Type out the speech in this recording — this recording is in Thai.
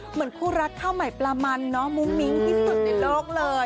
เหมือนคู่รักข้าวใหม่ปลามันเนาะมุ้งมิ้งที่สุดในโลกเลย